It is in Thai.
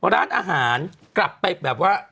ร้านอาหารกลับไปแบบว่า